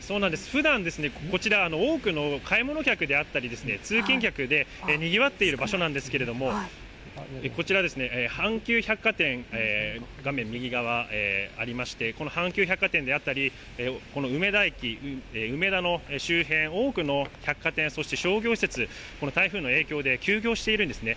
ふだんですね、こちら、多くの買い物客であったり、通勤客でにぎわっている場所なんですけれども、こちら、阪急百貨店、画面右側、ありまして、この阪急百貨店であったり、この梅田駅、梅田の周辺、多くの百貨店、そして商業施設、この台風の影響で休業しているんですね。